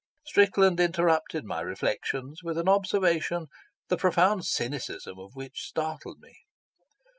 Strickland interrupted my reflections with an observation the profound cynicism of which startled me.